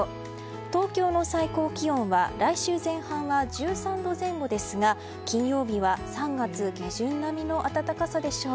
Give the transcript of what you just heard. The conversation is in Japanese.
東京の最高気温は来週前半は１３度前後ですが金曜日は３月下旬並みの暖かさでしょう。